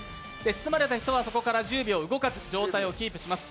包まれた人はそこから１０秒動かず、状態をキープします。